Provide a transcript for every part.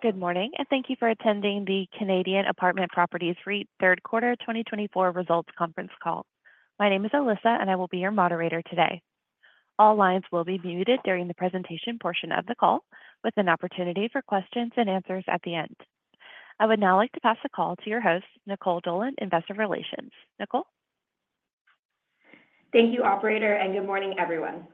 Good morning, and thank you for attending the Canadian Apartment Properties REIT Q3 2024 Results Conference Call. My name is Alyssa, and I will be your moderator today. All lines will be muted during the presentation portion of the call, with an opportunity for questions and answers at the end. I would now like to pass the call to your host, Nicole Dolan, Investor Relations. Nicole? Thank you, Operator, and good morning, everyone.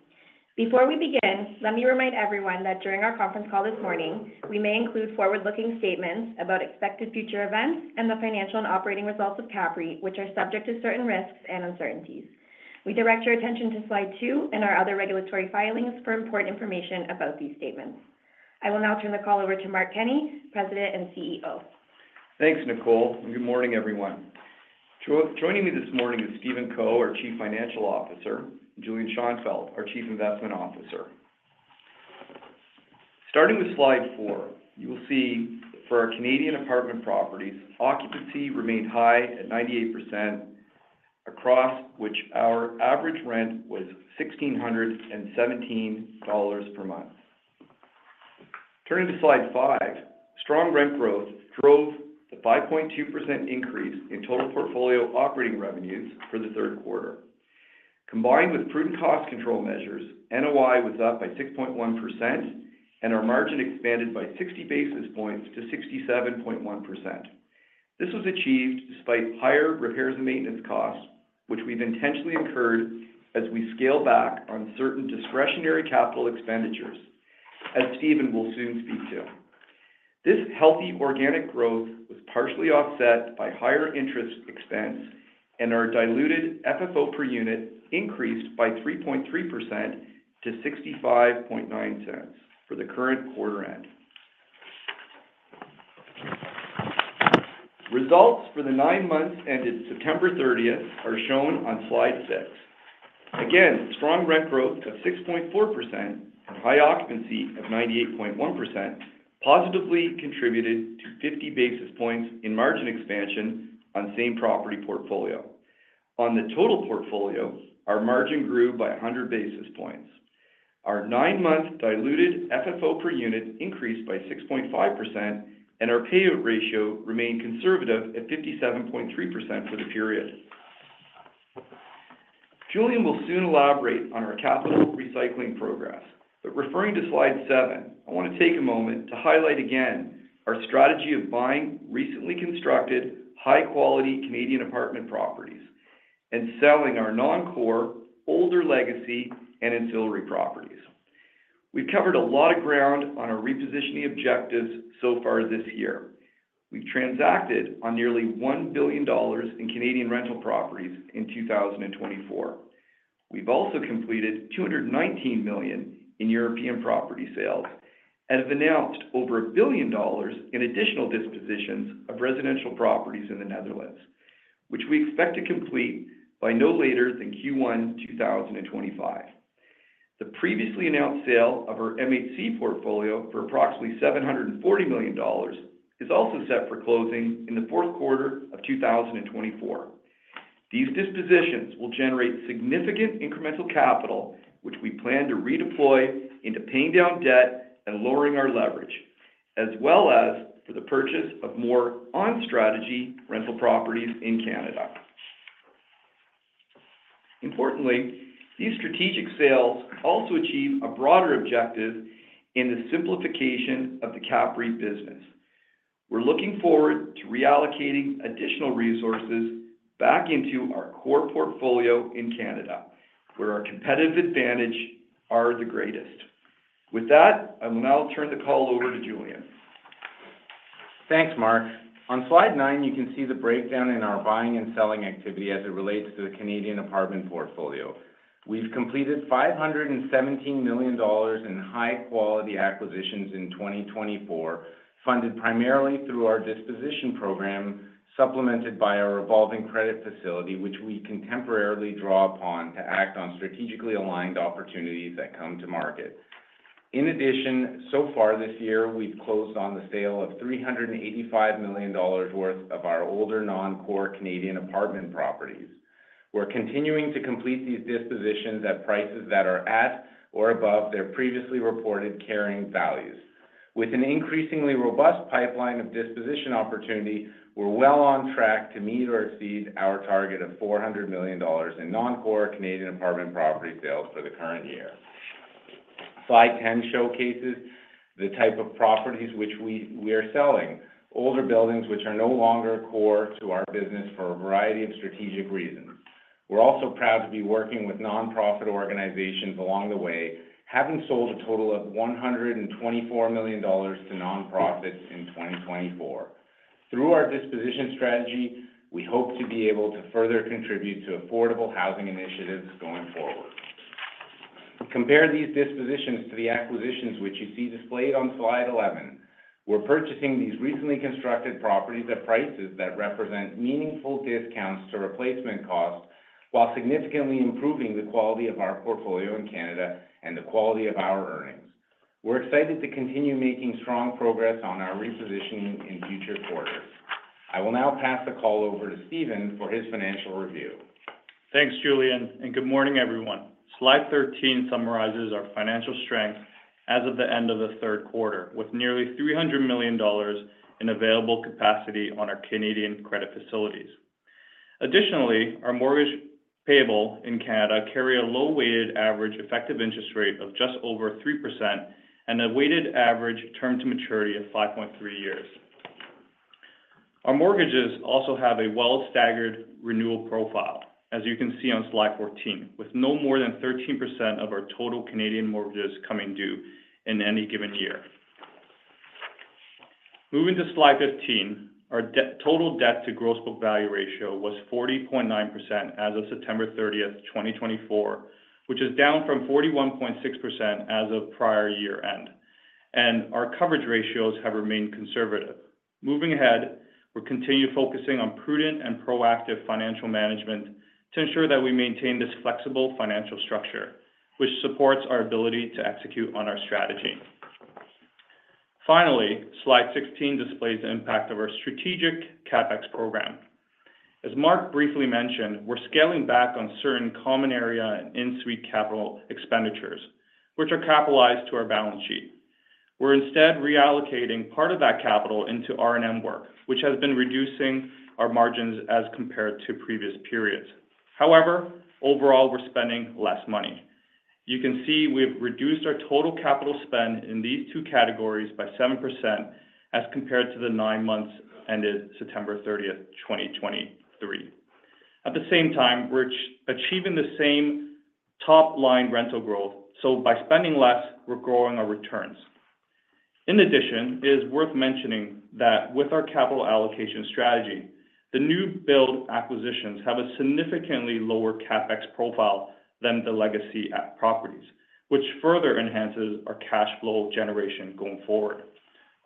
Before we begin, let me remind everyone that during our conference call this morning, we may include forward-looking statements about expected future events and the financial and operating results of CAPREIT, which are subject to certain risks and uncertainties. We direct your attention to slide two and our other regulatory filings for important information about these statements. I will now turn the call over to Mark Kenney, President and CEO. Thanks, Nicole. And good morning, everyone. Joining me this morning is Stephen Co, our Chief Financial Officer, and Julian Schonfeldt, our Chief Investment Officer. Starting with slide four, you'll see for our Canadian Apartment Properties, occupancy remained high at 98%, across which our average rent was 1,617 dollars per month. Turning to slide five, strong rent growth drove the 5.2% increase in total portfolio operating revenues for the Q3. Combined with prudent cost control measures, NOI was up by 6.1%, and our margin expanded by 60 basis points to 67.1%. This was achieved despite higher repairs and maintenance costs, which we've intentionally incurred as we scale back on certain discretionary capital expenditures, as Stephen will soon speak to. This healthy organic growth was partially offset by higher interest expense, and our diluted FFO per unit increased by 3.3% to 0.659 for the current quarter end. Results for the nine months ended September 30 are shown on slide six. Again, strong rent growth of 6.4% and high occupancy of 98.1% positively contributed to 50 basis points in margin expansion on same property portfolio. On the total portfolio, our margin grew by 100 basis points. Our nine-month diluted FFO per unit increased by 6.5%, and our payout ratio remained conservative at 57.3% for the period. Julian will soon elaborate on our capital recycling progress, but referring to slide seven, I want to take a moment to highlight again our strategy of buying recently constructed high-quality Canadian Apartment Properties and selling our non-core, older legacy and ancillary properties. We've covered a lot of ground on our repositioning objectives so far this year. We've transacted on nearly 1 billion dollars in Canadian rental properties in 2024. We've also completed 219 million in European property sales and have announced over 1 billion dollars in additional dispositions of residential properties in the Netherlands, which we expect to complete by no later than Q1 2025. The previously announced sale of our MHC portfolio for approximately 740 million dollars is also set for closing in the Q4 of 2024. These dispositions will generate significant incremental capital, which we plan to redeploy into paying down debt and lowering our leverage, as well as for the purchase of more on-strategy rental properties in Canada. Importantly, these strategic sales also achieve a broader objective in the simplification of the CAPREIT business. We're looking forward to reallocating additional resources back into our core portfolio in Canada, where our competitive advantage is the greatest. With that, I will now turn the call over to Julian. Thanks, Mark. On slide nine, you can see the breakdown in our buying and selling activity as it relates to the Canadian Apartment Properties. We've completed 517 million dollars in high-quality acquisitions in 2024, funded primarily through our disposition program, supplemented by our revolving credit facility, which we can temporarily draw upon to act on strategically aligned opportunities that come to market. In addition, so far this year, we've closed on the sale of 385 million dollars worth of our older non-core Canadian Apartment Properties. We're continuing to complete these dispositions at prices that are at or above their previously reported carrying values. With an increasingly robust pipeline of disposition opportunity, we're well on track to meet or exceed our target of 400 million dollars in non-core Canadian Apartment Property sales for the current year. Slide 10 showcases the type of properties which we are selling: older buildings which are no longer core to our business for a variety of strategic reasons. We're also proud to be working with nonprofit organizations along the way, having sold a total of 124 million dollars to nonprofits in 2024. Through our disposition strategy, we hope to be able to further contribute to affordable housing initiatives going forward. Compare these dispositions to the acquisitions which you see displayed on slide 11. We're purchasing these recently constructed properties at prices that represent meaningful discounts to replacement costs, while significantly improving the quality of our portfolio in Canada and the quality of our earnings. We're excited to continue making strong progress on our repositioning in future quarters. I will now pass the call over to Stephen for his financial review. Thanks, Julian, and good morning, everyone. Slide 13 summarizes our financial strength as of the end of the Q3, with nearly $300 million in available capacity on our Canadian credit facilities. Additionally, our mortgage payable in Canada carries a low-weighted average effective interest rate of just over 3% and a weighted average term to maturity of 5.3 years. Our mortgages also have a well-staggered renewal profile, as you can see on slide 14, with no more than 13% of our total Canadian mortgages coming due in any given year. Moving to slide 15, our total debt-to-gross book value ratio was 40.9% as of September 30, 2024, which is down from 41.6% as of prior year-end, and our coverage ratios have remained conservative. Moving ahead, we're continuing to focus on prudent and proactive financial management to ensure that we maintain this flexible financial structure, which supports our ability to execute on our strategy. Finally, slide 16 displays the impact of our strategic CapEx program. As Mark briefly mentioned, we're scaling back on certain common area and in-suite capital expenditures, which are capitalized to our balance sheet. We're instead reallocating part of that capital into R&M work, which has been reducing our margins as compared to previous periods. However, overall, we're spending less money. You can see we've reduced our total capital spend in these two categories by 7% as compared to the nine months ended September 30, 2023. At the same time, we're achieving the same top-line rental growth. So by spending less, we're growing our returns. In addition, it is worth mentioning that with our capital allocation strategy, the new-build acquisitions have a significantly lower CapEx profile than the legacy properties, which further enhances our cash flow generation going forward.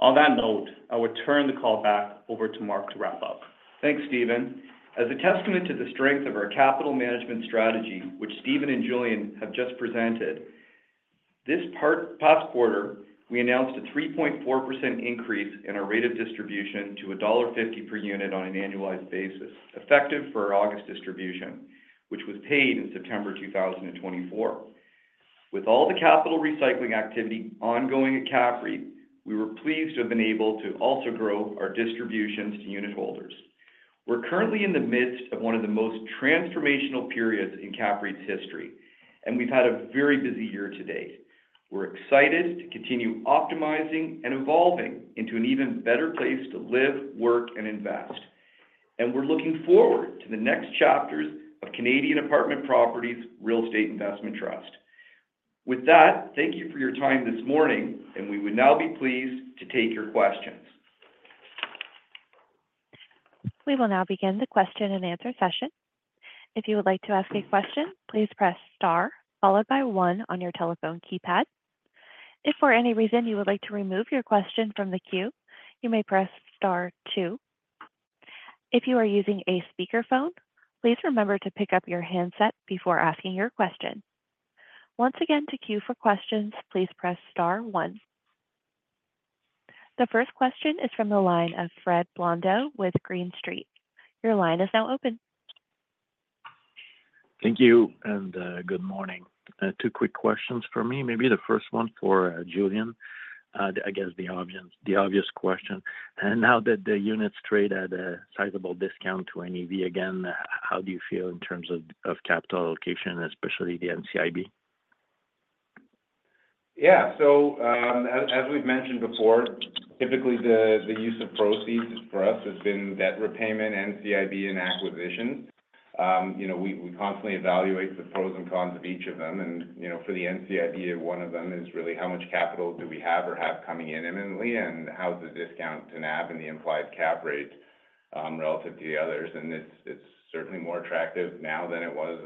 On that note, I would turn the call back over to Mark to wrap up. Thanks, Stephen. As a testament to the strength of our capital management strategy, which Stephen and Julian have just presented, this past quarter, we announced a 3.4% increase in our rate of distribution to dollar 1.50 per unit on an annualized basis, effective for our August distribution, which was paid in September 2024. With all the capital recycling activity ongoing at CAPREIT, we were pleased to have been able to also grow our distributions to unitholders. We're currently in the midst of one of the most transformational periods in CAPREIT's history, and we've had a very busy year to date. We're excited to continue optimizing and evolving into an even better place to live, work, and invest. And we're looking forward to the next chapters of Canadian Apartment Properties Real Estate Investment Trust. With that, thank you for your time this morning, and we would now be pleased to take your questions. We will now begin the question-and-answer session. If you would like to ask a question, please press star followed by one on your telephone keypad. If for any reason you would like to remove your question from the queue, you may press star two. If you are using a speakerphone, please remember to pick up your handset before asking your question. Once again, to queue for questions, please press star one. The first question is from the line of Fred Blondeau with Green Street. Your line is now open. Thank you and good morning. Two quick questions for me. Maybe the first one for Julian, I guess the obvious question. Now that the units trade at a sizable discount to NAV again, how do you feel in terms of capital allocation, especially the NCIB? Yeah. So as we've mentioned before, typically the use of proceeds for us has been debt repayment, NCIB, and acquisitions. We constantly evaluate the pros and cons of each of them. And for the NCIB, one of them is really how much capital do we have or have coming in imminently, and how's the discount to NAV and the implied cap rate relative to the others. And it's certainly more attractive now than it was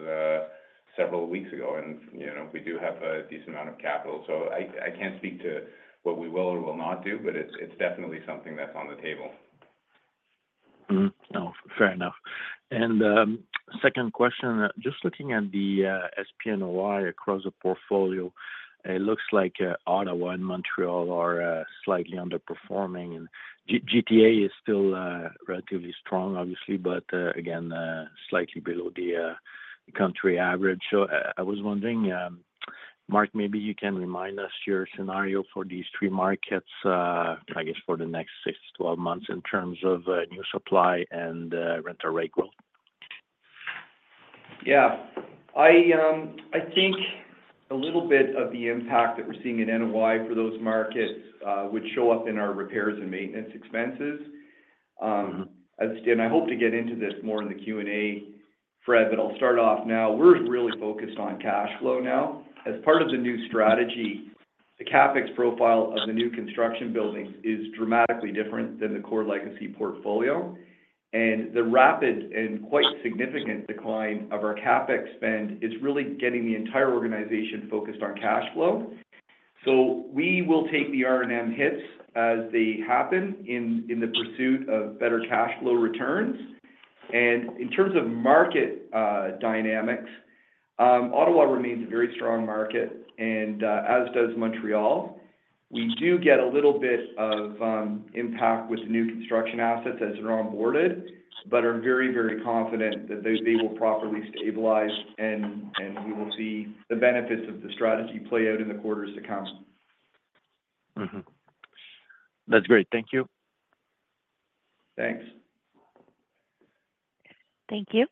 several weeks ago. And we do have a decent amount of capital. So I can't speak to what we will or will not do, but it's definitely something that's on the table. Fair enough. And second question, just looking at the SPNOI across the portfolio, it looks like Ottawa and Montreal are slightly underperforming. And GTA is still relatively strong, obviously, but again, slightly below the country average. So I was wondering, Mark, maybe you can remind us your scenario for these three markets, I guess, for the next 6-12 months in terms of new supply and rental rate growth? Yeah. I think a little bit of the impact that we're seeing in NOI for those markets would show up in our repairs and maintenance expenses. And I hope to get into this more in the Q&A, Fred, but I'll start off now. We're really focused on cash flow now. As part of the new strategy, the CapEx profile of the new construction buildings is dramatically different than the core legacy portfolio. And the rapid and quite significant decline of our CapEx spend is really getting the entire organization focused on cash flow. So we will take the R&M hits as they happen in the pursuit of better cash flow returns. And in terms of market dynamics, Ottawa remains a very strong market, and as does Montreal. We do get a little bit of impact with the new construction assets as they're onboarded, but are very, very confident that they will properly stabilize, and we will see the benefits of the strategy play out in the quarters to come. That's great. Thank you. Thanks. Thank you.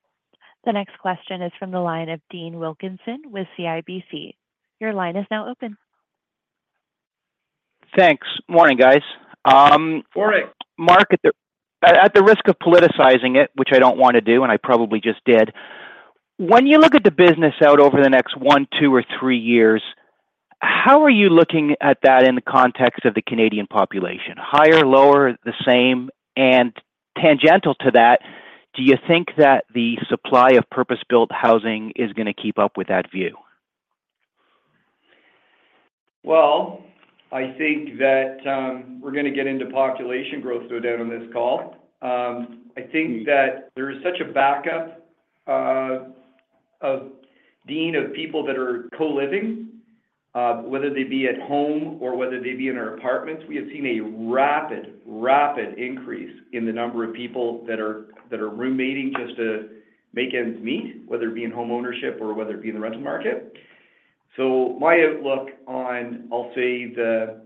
The next question is from the line of Dean Wilkinson with CIBC. Your line is now open. Thanks. Morning, guys. Mark, at the risk of politicizing it, which I don't want to do, and I probably just did, when you look at the business out over the next one, two, or three years, how are you looking at that in the context of the Canadian population? Higher, lower, the same? And tangential to that, do you think that the supply of purpose-built housing is going to keep up with that view? I think that we're going to get into population growth throughout this call. I think that there is such a backup of demand of people that are co-living, whether they be at home or whether they be in our apartments. We have seen a rapid, rapid increase in the number of people that are roommating just to make ends meet, whether it be in homeownership or whether it be in the rental market. So my outlook on, I'll say, the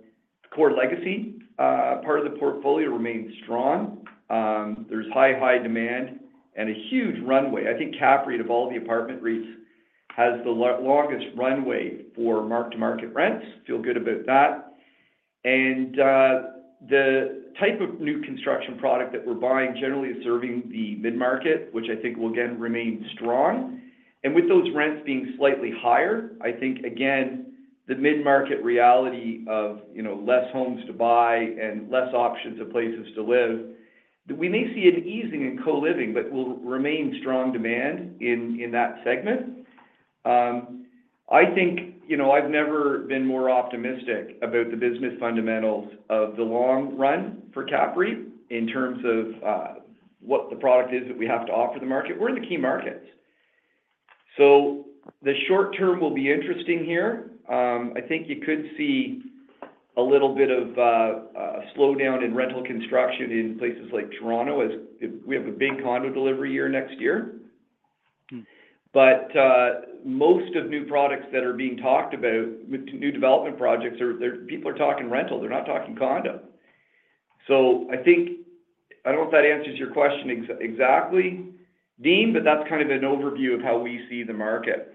core legacy part of the portfolio remains strong. There's high, high demand and a huge runway. I think CAPREIT, of all the apartment REIT's, has the longest runway for mark-to-market rents. Feel good about that. And the type of new construction product that we're buying generally is serving the mid-market, which I think will again remain strong. And with those rents being slightly higher, I think, again, the mid-market reality of less homes to buy and less options of places to live, we may see an easing in co-living, but we'll remain strong demand in that segment. I think I've never been more optimistic about the business fundamentals of the long run for CAPREIT in terms of what the product is that we have to offer the market. We're in the key markets. So the short term will be interesting here. I think you could see a little bit of a slowdown in rental construction in places like Toronto as we have a big condo delivery year next year. But most of new products that are being talked about, new development projects, people are talking rental. They're not talking condo. So I don't know if that answers your question exactly, Dean, but that's kind of an overview of how we see the market.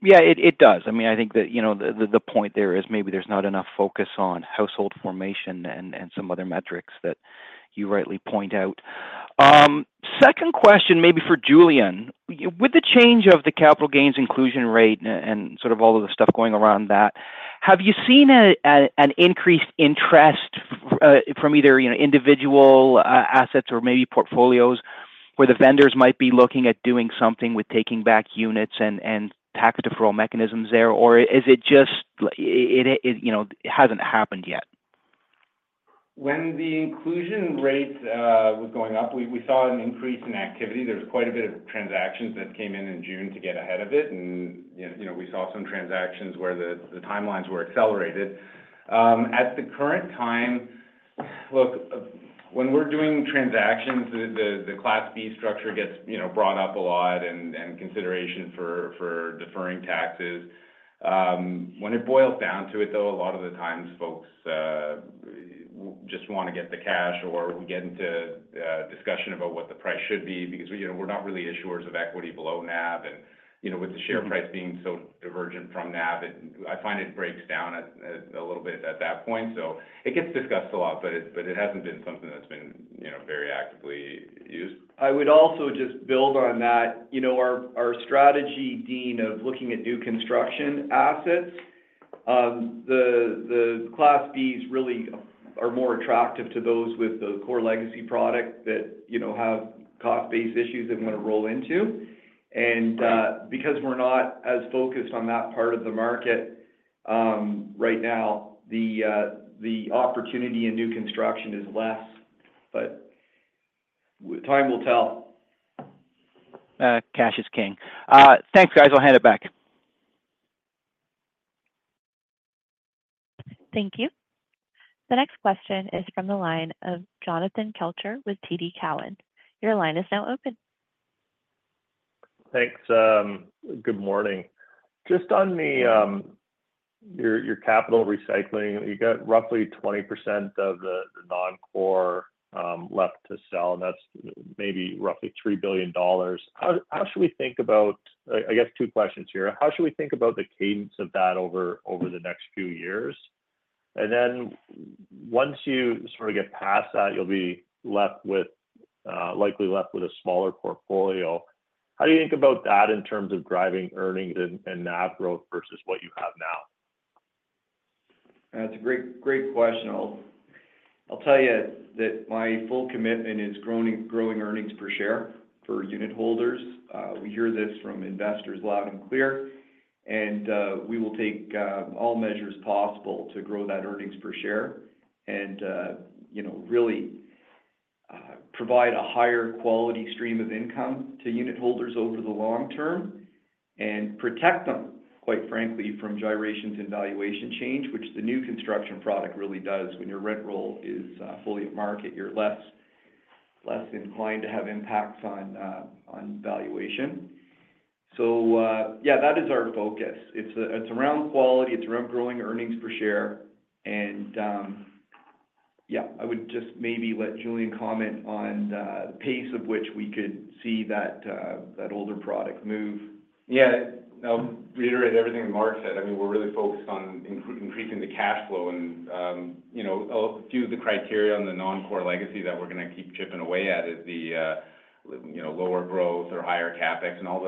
Yeah, it does. I mean, I think that the point there is maybe there's not enough focus on household formation and some other metrics that you rightly point out. Second question, maybe for Julian. With the change of the capital gains inclusion rate and sort of all of the stuff going around that, have you seen an increased interest from either individual assets or maybe portfolios where the vendors might be looking at doing something with taking back units and tax deferral mechanisms there? Or is it just it hasn't happened yet? When the inclusion rate was going up, we saw an increase in activity. There was quite a bit of transactions that came in in June to get ahead of it, and we saw some transactions where the timelines were accelerated. At the current time, look, when we're doing transactions, the Class B structure gets brought up a lot, and consideration for deferring taxes. When it boils down to it, though, a lot of the times folks just want to get the cash or we get into discussion about what the price should be because we're not really issuers of equity below NAV, and with the share price being so divergent from NAV, I find it breaks down a little bit at that point, so it gets discussed a lot, but it hasn't been something that's been very actively used. I would also just build on that. Our strategy, Dean, of looking at new construction assets, the Class B's really are more attractive to those with the core legacy product that have cost-based issues they want to roll into. And because we're not as focused on that part of the market right now, the opportunity in new construction is less, but time will tell. Cash is king. Thanks, guys. I'll hand it back. Thank you. The next question is from the line of Jonathan Kelcher with TD Cowen. Your line is now open. Thanks. Good morning. Just on your capital recycling, you got roughly 20% of the non-core left to sell, and that's maybe roughly 3 billion dollars. How should we think about, I guess, two questions here. How should we think about the cadence of that over the next few years? And then once you sort of get past that, you'll be likely left with a smaller portfolio. How do you think about that in terms of driving earnings and NAV growth versus what you have now? That's a great question. I'll tell you that my full commitment is growing earnings per share for unit holders. We hear this from investors loud and clear. And we will take all measures possible to grow that earnings per share and really provide a higher quality stream of income to unit holders over the long term and protect them, quite frankly, from gyrations in valuation change, which the new construction product really does. When your rent roll is fully at market, you're less inclined to have impacts on valuation. So yeah, that is our focus. It's around quality. It's around growing earnings per share. And yeah, I would just maybe let Julian comment on the pace of which we could see that older product move. Yeah. I'll reiterate everything Mark said. I mean, we're really focused on increasing the cash flow. And a few of the criteria on the non-core legacy that we're going to keep chipping away at is the lower growth or higher CapEx and all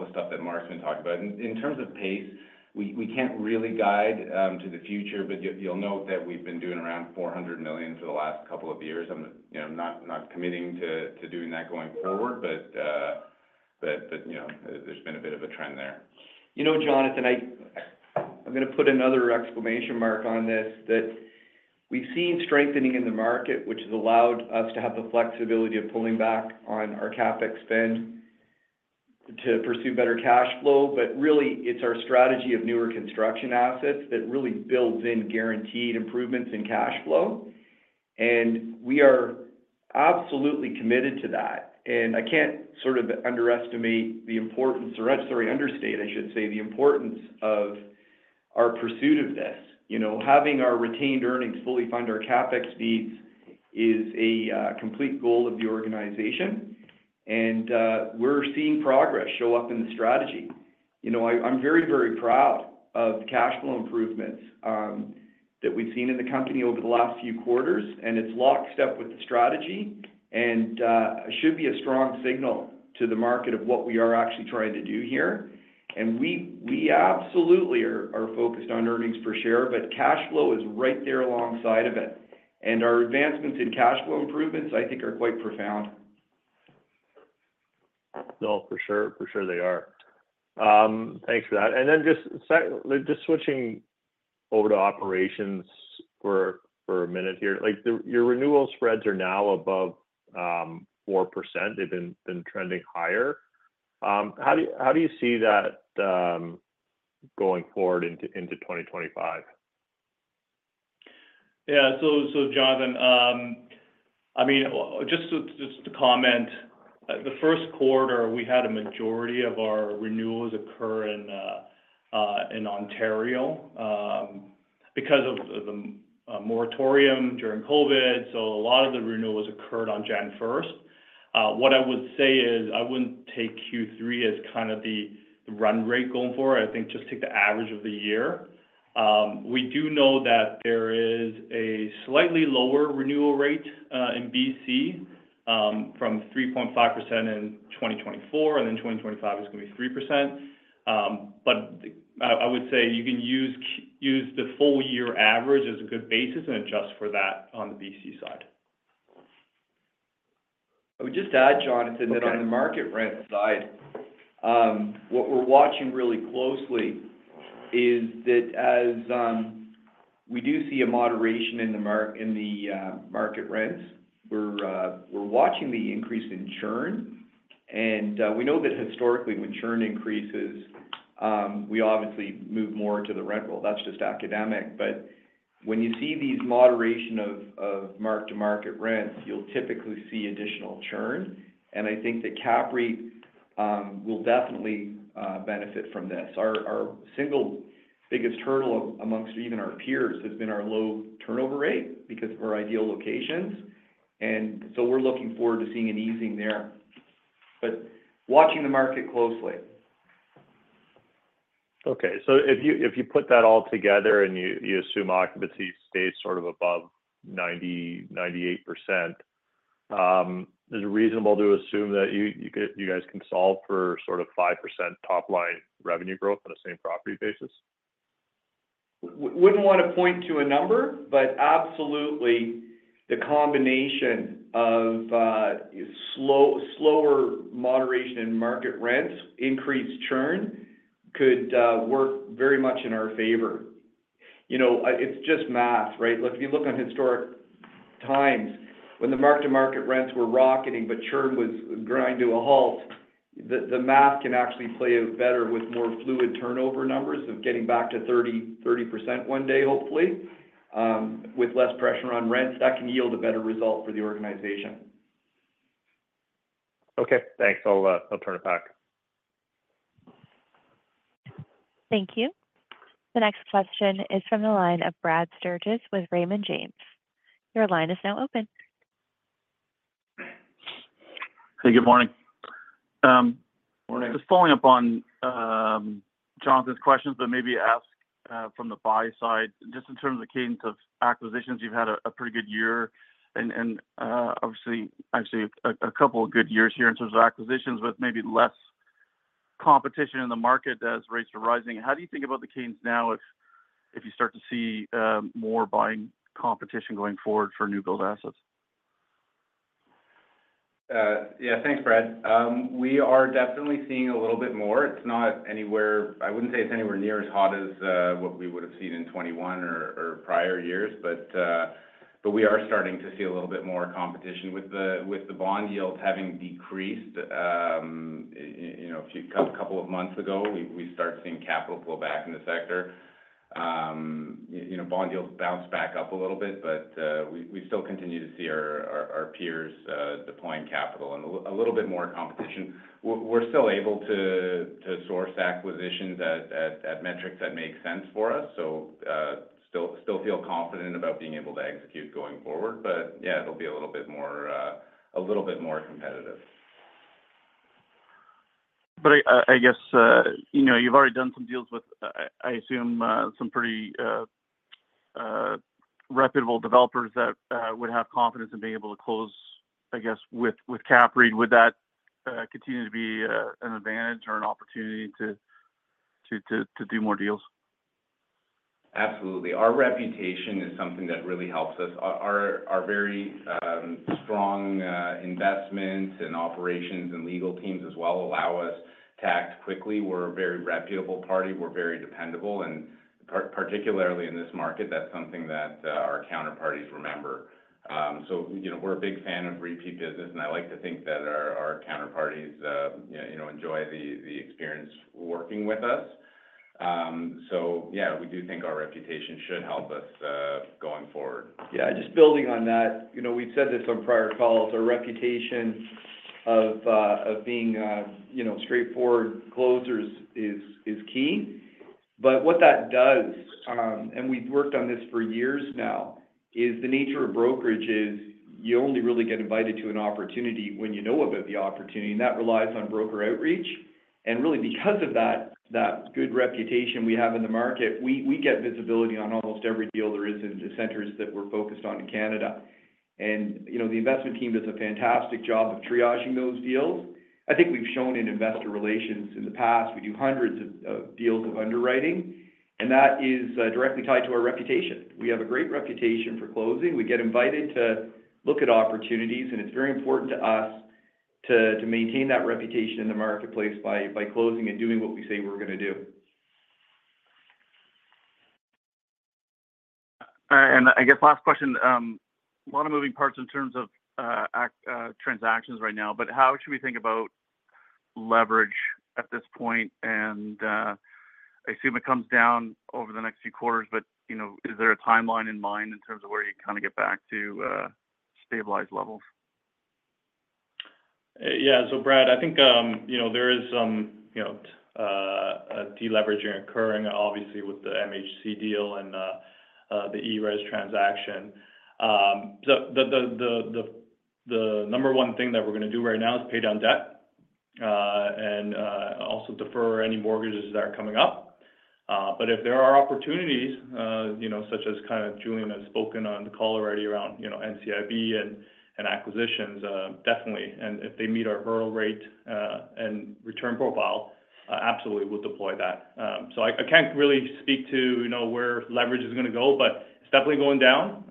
the stuff that Mark's been talking about. In terms of pace, we can't really guide to the future, but you'll note that we've been doing around 400 million for the last couple of years. I'm not committing to doing that going forward, but there's been a bit of a trend there. You know, Jonathan, I'm going to put another exclamation mark on this, that we've seen strengthening in the market, which has allowed us to have the flexibility of pulling back on our CapEx spend to pursue better cash flow. But really, it's our strategy of newer construction assets that really builds in guaranteed improvements in cash flow. And we are absolutely committed to that. I can't sort of underestimate the importance, or I'm sorry, underestimate, I should say, the importance of our pursuit of this. Having our retained earnings fully fund our CapEx needs is a complete goal of the organization. We're seeing progress show up in the strategy. I'm very, very proud of cash flow improvements that we've seen in the company over the last few quarters. It's locked step with the strategy and should be a strong signal to the market of what we are actually trying to do here. We absolutely are focused on earnings per share, but cash flow is right there alongside of it. Our advancements in cash flow improvements, I think, are quite profound. No, for sure. For sure they are. Thanks for that. And then just switching over to operations for a minute here. Your renewal spreads are now above 4%. They've been trending higher. How do you see that going forward into 2025? Yeah. So Jonathan, I mean, just to comment, the Q1, we had a majority of our renewals occur in Ontario because of the moratorium during COVID. So a lot of the renewals occurred on 1 January. What I would say is I wouldn't take Q3 as kind of the run rate going forward. I think just take the average of the year. We do know that there is a slightly lower renewal rate in BC from 3.5% in 2024, and then 2025 is going to be 3%. But I would say you can use the full year average as a good basis and adjust for that on the BC side. I would just add, Jonathan, that on the market rent side, what we're watching really closely is that as we do see a moderation in the market rents, we're watching the increase in churn. And we know that historically, when churn increases, we obviously move more to the rent roll. That's just academic. But when you see these moderations of mark-to-market rents, you'll typically see additional churn. And I think that CAPREIT will definitely benefit from this. Our single biggest hurdle amongst even our peers has been our low turnover rate because of our ideal locations. And so we're looking forward to seeing an easing there. But watching the market closely. Okay. So if you put that all together and you assume occupancy stays sort of above 90%-98%, is it reasonable to assume that you guys can solve for sort of 5% top-line revenue growth on the same property basis? Wouldn't want to point to a number, but absolutely, the combination of slower moderation in market rents, increased churn could work very much in our favor. It's just math, right? Look, if you look on historic times, when the mark-to-market rents were rocketing, but churn was grinding to a halt, the math can actually play out better with more fluid turnover numbers of getting back to 30% one day, hopefully, with less pressure on rents. That can yield a better result for the organization. Okay. Thanks. I'll turn it back. Thank you. The next question is from the line of Brad Sturges with Raymond James. Your line is now open. Hey, good morning. Just following up on Jonathan's questions, but maybe ask from the buy side, just in terms of the cadence of acquisitions, you've had a pretty good year and obviously, actually a couple of good years here in terms of acquisitions with maybe less competition in the market as rates are rising. How do you think about the cadence now if you start to see more buying competition going forward for new build assets? Yeah. Thanks, Brad. We are definitely seeing a little bit more. It's not anywhere. I wouldn't say it's anywhere near as hot as what we would have seen in 2021 or prior years. But we are starting to see a little bit more competition with the bond yields having decreased. A couple of months ago, we started seeing capital pull back in the sector. Bond yields bounced back up a little bit, but we still continue to see our peers deploying capital and a little bit more competition. We're still able to source acquisitions at metrics that make sense for us. So still feel confident about being able to execute going forward. But yeah, it'll be a little bit more competitive. But I guess you've already done some deals with, I assume, some pretty reputable developers that would have confidence in being able to close, I guess, with CAPREIT. Would that continue to be an advantage or an opportunity to do more deals? Absolutely. Our reputation is something that really helps us. Our very strong investments and operations and legal teams as well allow us to act quickly. We're a very reputable party. We're very dependable. And particularly in this market, that's something that our counterparties remember. So we're a big fan of repeat business. And I like to think that our counterparties enjoy the experience working with us. So yeah, we do think our reputation should help us going forward. Yeah. Just building on that, we've said this on prior calls. Our reputation of being straightforward closers is key. But what that does, and we've worked on this for years now, is the nature of brokerage is you only really get invited to an opportunity when you know about the opportunity. And that relies on broker outreach. And really, because of that good reputation we have in the market, we get visibility on almost every deal there is in the centers that we're focused on in Canada. And the investment team does a fantastic job of triaging those deals. I think we've shown in investor relations in the past. We do hundreds of deals of underwriting. And that is directly tied to our reputation. We have a great reputation for closing. We get invited to look at opportunities. It's very important to us to maintain that reputation in the marketplace by closing and doing what we say we're going to do. I guess last question. A lot of moving parts in terms of transactions right now. But how should we think about leverage at this point? And I assume it comes down over the next few quarters. But is there a timeline in mind in terms of where you kind of get back to stabilized levels? Yeah. So Brad, I think there is some deleveraging occurring, obviously, with the MHC deal and the ERES transaction. So the number one thing that we're going to do right now is pay down debt and also defer any mortgages that are coming up. But if there are opportunities, such as kind of Julian has spoken on the call already around NCIB and acquisitions, definitely. And if they meet our hurdle rate and return profile, absolutely we'll deploy that. So I can't really speak to where leverage is going to go, but it's definitely going down.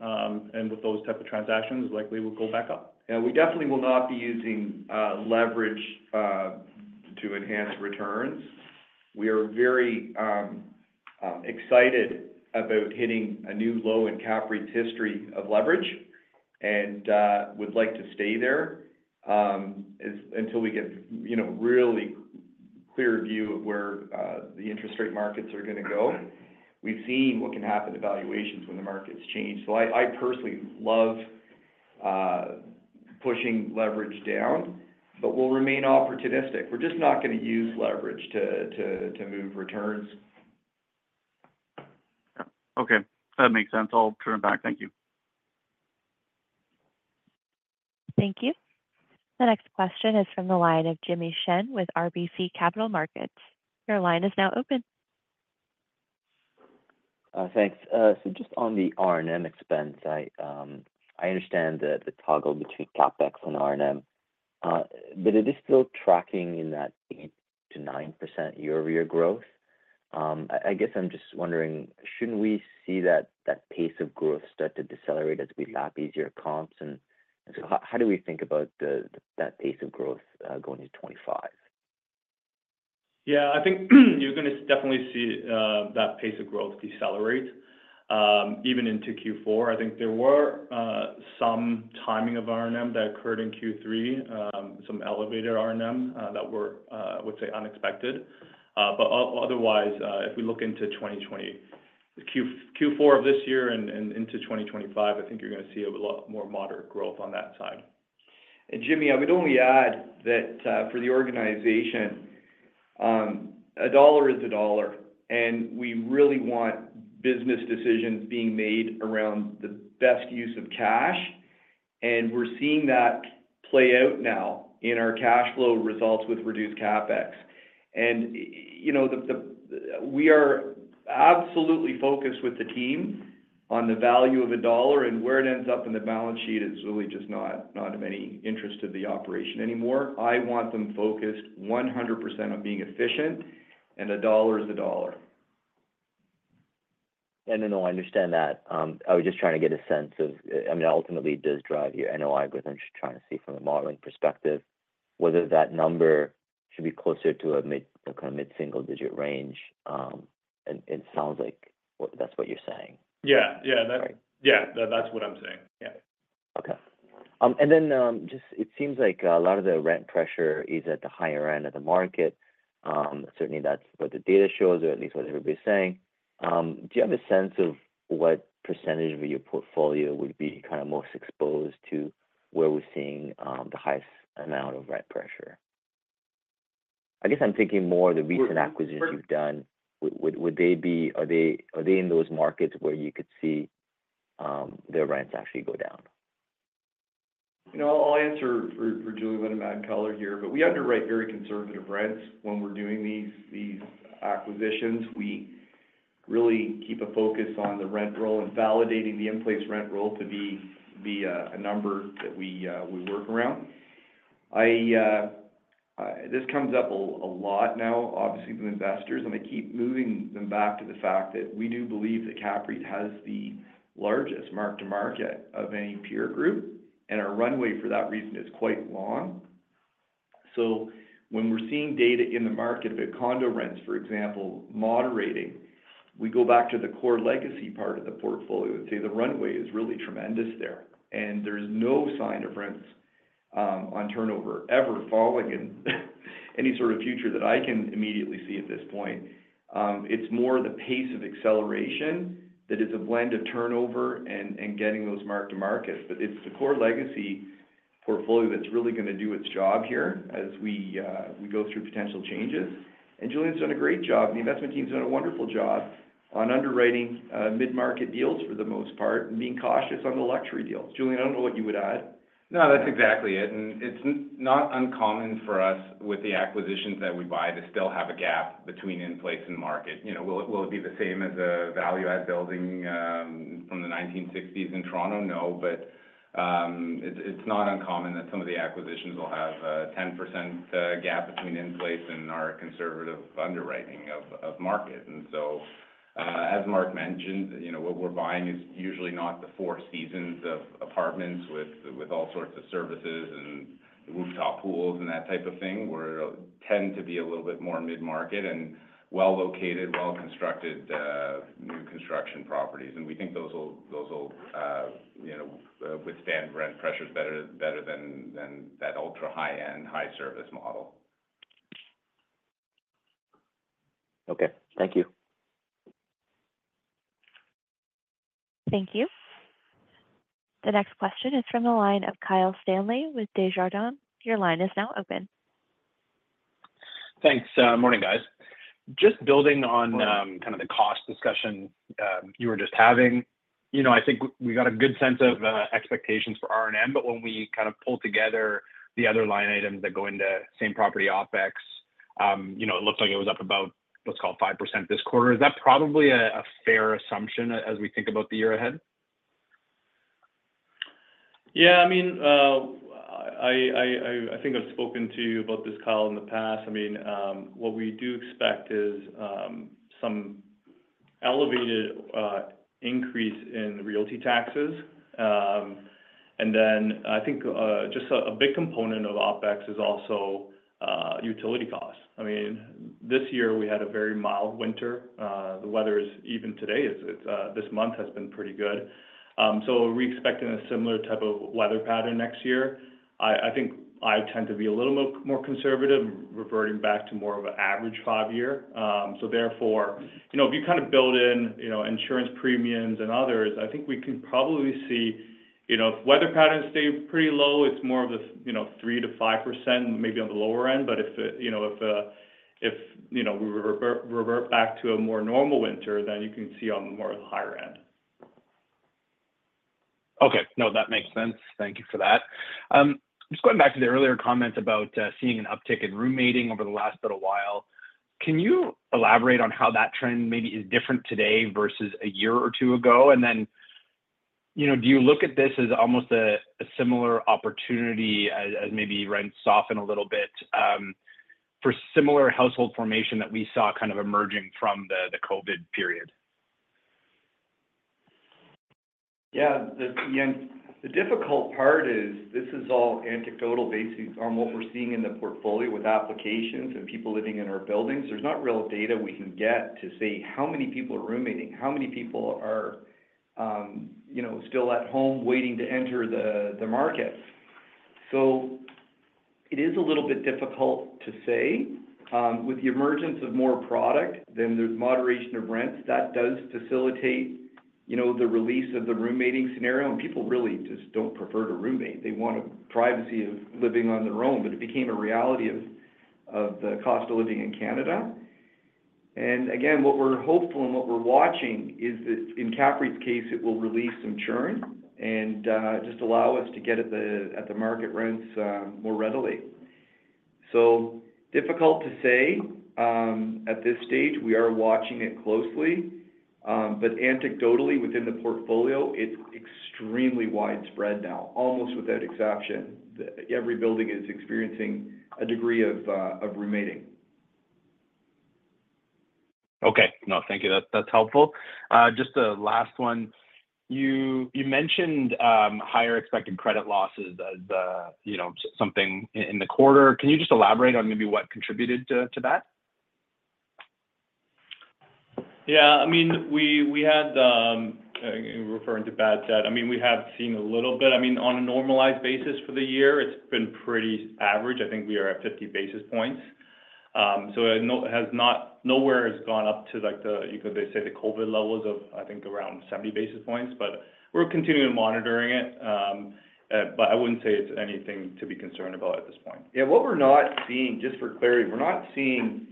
And with those types of transactions, likely we'll go back up. Yeah. We definitely will not be using leverage to enhance returns. We are very excited about hitting a new low in CAPRE's history of leverage and would like to stay there until we get a really clear view of where the interest rate markets are going to go. We've seen what can happen to valuations when the markets change. So I personally love pushing leverage down, but we'll remain opportunistic. We're just not going to use leverage to move returns. Okay. That makes sense. I'll turn it back. Thank you. Thank you. The next question is from the line of Jimmy Shen with RBC Capital Markets. Your line is now open. Thanks. So just on the R&M expense, I understand the toggle between CapEx and R&M, but it is still tracking in that 8% to 9% year-over-year growth. I guess I'm just wondering, shouldn't we see that pace of growth start to decelerate as we lap easier comps? And so how do we think about that pace of growth going into 2025? Yeah. I think you're going to definitely see that pace of growth decelerate even into Q4. I think there were some timing of R&M that occurred in Q3, some elevated R&M that were, I would say, unexpected. But otherwise, if we look into 2020, Q4 of this year and into 2025, I think you're going to see a lot more moderate growth on that side. And Jimmy, I would only add that for the organization, a dollar is a dollar. And we really want business decisions being made around the best use of cash. And we're seeing that play out now in our cash flow results with reduced CapEx. And we are absolutely focused with the team on the value of a dollar. And where it ends up in the balance sheet is really just not of any interest to the operation anymore. I want them focused 100% on being efficient, and a dollar is a dollar. Yeah. No, no. I understand that. I was just trying to get a sense of, I mean, ultimately, it does drive your analog with. I'm just trying to see from a modeling perspective whether that number should be closer to a kind of mid-single-digit range. It sounds like that's what you're saying. Yeah. Yeah. Yeah. That's what I'm saying. Yeah. Okay. And then just it seems like a lot of the rent pressure is at the higher end of the market. Certainly, that's what the data shows, or at least what everybody's saying. Do you have a sense of what percentage of your portfolio would be kind of most exposed to where we're seeing the highest amount of rent pressure? I guess I'm thinking more of the recent acquisitions you've done. Would they be—are they in those markets where you could see their rents actually go down? I'll answer for Julian by the moderator here. But we underwrite very conservative rents when we're doing these acquisitions. We really keep a focus on the rent roll and validating the in-place rent roll to be a number that we work around. This comes up a lot now, obviously, from investors. And I keep moving them back to the fact that we do believe that CAPREIT has the largest mark-to-market of any peer group. And our runway for that reason is quite long. So when we're seeing data in the market, if a condo rents, for example, moderating, we go back to the core legacy part of the portfolio and say the runway is really tremendous there. And there's no sign of rents on turnover ever falling in any sort of future that I can immediately see at this point. It's more the pace of acceleration that is a blend of turnover and getting those mark-to-markets. But it's the core legacy portfolio that's really going to do its job here as we go through potential changes. And Julian's done a great job. The investment team's done a wonderful job on underwriting mid-market deals for the most part and being cautious on the luxury deals. Julian, I don't know what you would add. No, that's exactly it. And it's not uncommon for us with the acquisitions that we buy to still have a gap between in-place and market. Will it be the same as a value-add building from the 1960s in Toronto? No. But it's not uncommon that some of the acquisitions will have a 10% gap between in-place and our conservative underwriting of market. And so as Mark mentioned, what we're buying is usually not the Four Seasons of apartments with all sorts of services and rooftop pools and that type of thing. We tend to be a little bit more mid-market and well-located, well-constructed new construction properties. And we think those will withstand rent pressures better than that ultra-high-end, high-service model. Okay. Thank you. Thank you. The next question is from the line of Kyle Stanley with Desjardins. Your line is now open. Thanks. Morning, guys. Just building on kind of the cost discussion you were just having, I think we got a good sense of expectations for R&M. But when we kind of pulled together the other line items that go into same property OpEx, it looked like it was up about 5% this quarter. Is that probably a fair assumption as we think about the year ahead? Yeah. I mean, I think I've spoken to you about this, Kyle, in the past. I mean, what we do expect is some elevated increase in realty taxes. And then I think just a big component of OpEx is also utility costs. I mean, this year, we had a very mild winter. The weather is even today. This month has been pretty good. So we're expecting a similar type of weather pattern next year. I think I tend to be a little more conservative, reverting back to more of an average five-year. So therefore, if you kind of build in insurance premiums and others, I think we can probably see if weather patterns stay pretty low, it's more of the 3% to 5%, maybe on the lower end. But if we revert back to a more normal winter, then you can see on the more higher end. Okay. No, that makes sense. Thank you for that. Just going back to the earlier comments about seeing an uptick in roommating over the last little while, can you elaborate on how that trend maybe is different today versus a year or two ago? And then do you look at this as almost a similar opportunity as maybe rents soften a little bit for similar household formation that we saw kind of emerging from the COVID period? Yeah. The difficult part is this is all anecdotal basis on what we're seeing in the portfolio with applications and people living in our buildings. There's no real data we can get to say how many people are roommating, how many people are still at home waiting to enter the market. So it is a little bit difficult to say. With the emergence of more product, then there's moderation of rents. That does facilitate the release of the roommating scenario. And people really just don't prefer to roommate. They want a privacy of living on their own. But it became a reality of the cost of living in Canada. And again, what we're hopeful and what we're watching is that in CAPRE's case, it will release some churn and just allow us to get at the market rents more readily. So difficult to say at this stage. We are watching it closely, but anecdotally, within the portfolio, it's extremely widespread now, almost without exception. Every building is experiencing a degree of roommating. Okay. No, thank you. That's helpful. Just the last one. You mentioned higher expected credit losses as something in the quarter. Can you just elaborate on maybe what contributed to that? Yeah. I mean, we had, referring to bad debt, I mean, we have seen a little bit. I mean, on a normalized basis for the year, it's been pretty average. I think we are at 50 basis points. So nowhere has gone up to, like they say, the COVID levels of, I think, around 70 basis points. But we're continuing to monitor it. But I wouldn't say it's anything to be concerned about at this point. Yeah. What we're not seeing, just for clarity, we're not seeing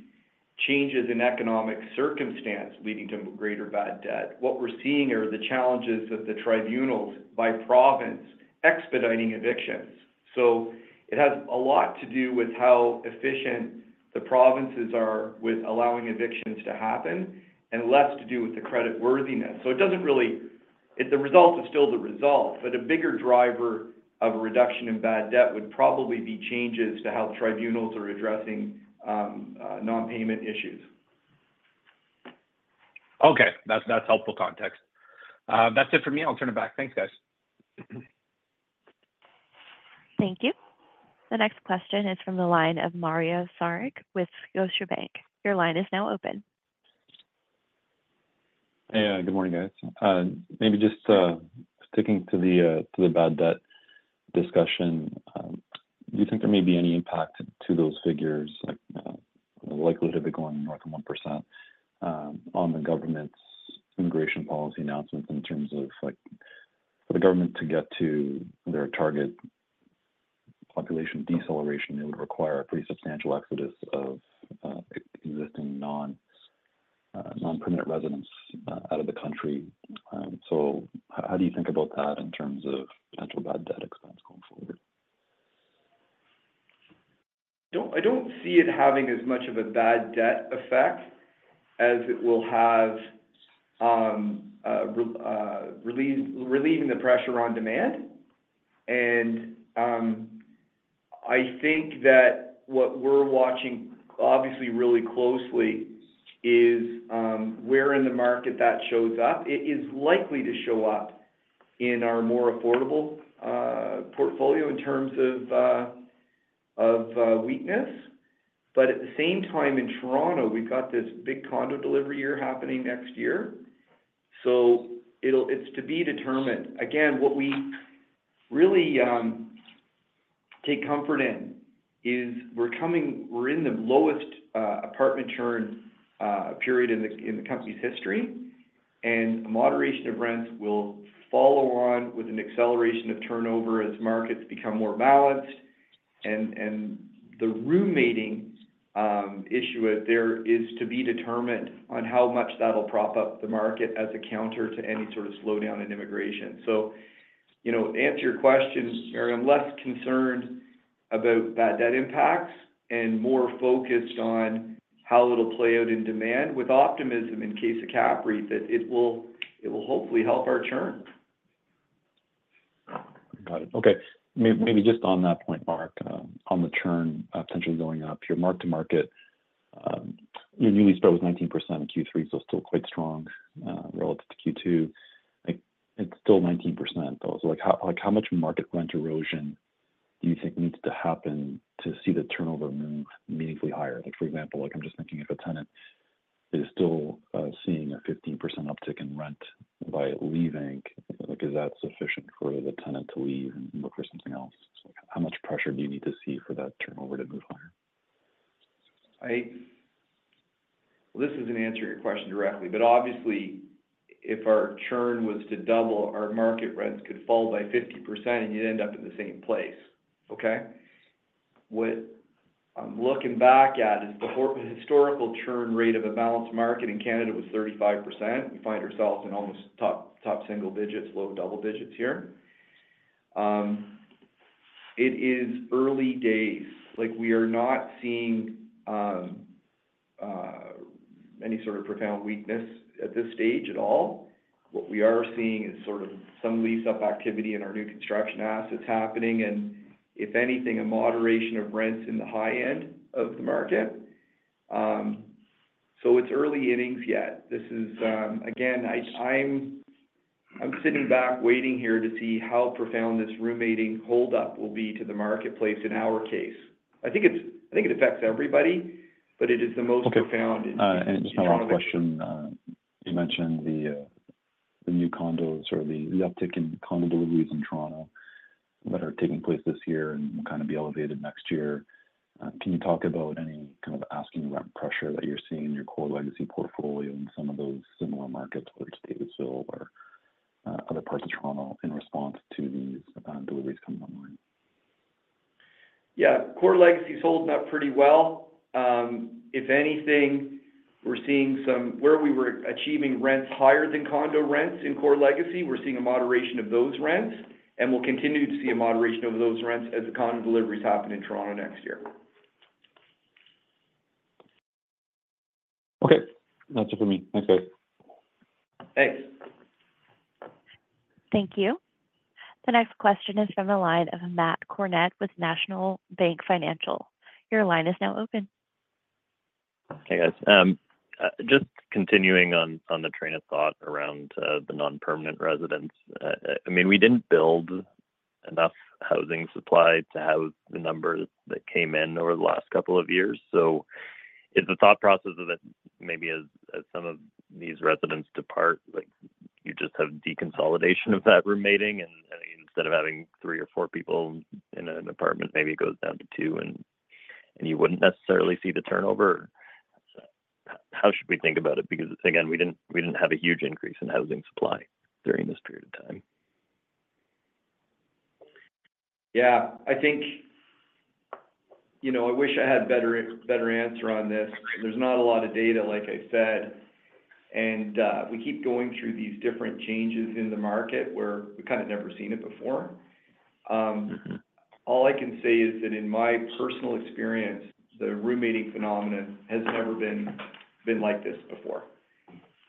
changes in economic circumstance leading to greater bad debt. What we're seeing are the challenges of the tribunals by province expediting evictions. So it has a lot to do with how efficient the provinces are with allowing evictions to happen and less to do with the creditworthiness. So it doesn't really. The result is still the result. But a bigger driver of a reduction in bad debt would probably be changes to how tribunals are addressing non-payment issues. Okay. That's helpful context. That's it for me. I'll turn it back. Thanks, guys. Thank you. The next question is from the line of Mario Saric with Scotiabank. Your line is now open. Hey. Good morning, guys. Maybe just sticking to the bad debt discussion, do you think there may be any impact to those figures, like the likelihood of it going north of 1% on the government's immigration policy announcements in terms of for the government to get to their target population deceleration? It would require a pretty substantial exodus of existing non-permanent residents out of the country. So how do you think about that in terms of potential bad debt expense going forward? I don't see it having as much of a bad debt effect as it will have relieving the pressure on demand. And I think that what we're watching, obviously, really closely is where in the market that shows up. It is likely to show up in our more affordable portfolio in terms of weakness. But at the same time, in Toronto, we've got this big condo delivery year happening next year. So it's to be determined. Again, what we really take comfort in is we're in the lowest apartment churn period in the company's history. And moderation of rents will follow on with an acceleration of turnover as markets become more balanced. And the roommating issue there is to be determined on how much that'll prop up the market as a counter to any sort of slowdown in immigration. So to answer your question, we're less concerned about bad debt impacts and more focused on how it'll play out in demand with optimism in case of CAPREIT that it will hopefully help our churn. Got it. Okay. Maybe just on that point, Mark, on the churn potentially going up here, mark-to-market, you nearly spoke with 19% in Q3, so still quite strong relative to Q2. It's still 19%, though. So how much market rent erosion do you think needs to happen to see the turnover move meaningfully higher? For example, I'm just thinking if a tenant is still seeing a 15% uptick in rent by leaving, is that sufficient for the tenant to leave and look for something else? How much pressure do you need to see for that turnover to move higher? This isn't answering your question directly. Obviously, if our churn was to double, our market rents could fall by 50%, and you'd end up in the same place. Okay? What I'm looking back at is the historical churn rate of a balanced market in Canada was 35%. We find ourselves in almost top single digits, low double digits here. It is early days. We are not seeing any sort of profound weakness at this stage at all. What we are seeing is sort of some lease-up activity in our new construction assets happening. If anything, a moderation of rents in the high end of the market. It's early innings yet. This is, again, I'm sitting back waiting here to see how profound this roommating hold-up will be to the marketplace in our case. I think it affects everybody, but it is the most profound in Toronto. Just my last question. You mentioned the new condos or the uptick in condo deliveries in Toronto that are taking place this year and will kind of be elevated next year. Can you talk about any kind of asking rent pressure that you're seeing in your core legacy portfolio in some of those similar markets like Davisville or other parts of Toronto in response to these deliveries coming online? Yeah. Core legacy's holding up pretty well. If anything, we're seeing somewhere we were achieving rents higher than condo rents in core legacy, we're seeing a moderation of those rents. And we'll continue to see a moderation of those rents as the condo deliveries happen in Toronto next year. Okay. That's it for me. Thanks, guys. Thanks. Thank you. The next question is from the line of Matt Kornack with National Bank Financial. Your line is now open. Hey, guys. Just continuing on the train of thought around the non-permanent residents. I mean, we didn't build enough housing supply to house the numbers that came in over the last couple of years. So if the thought process of maybe as some of these residents depart, you just have deconsolidation of that rooming. And instead of having three or four people in an apartment, maybe it goes down to two, and you wouldn't necessarily see the turnover. How should we think about it? Because, again, we didn't have a huge increase in housing supply during this period of time. Yeah. I think I wish I had a better answer on this. There's not a lot of data, like I said. And we keep going through these different changes in the market where we've kind of never seen it before. All I can say is that in my personal experience, the roommating phenomenon has never been like this before.